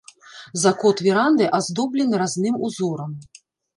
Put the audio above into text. Закот веранды аздоблены разным узорам.